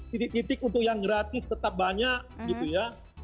titik titik untuk yang gratis tetap banyak gitu ya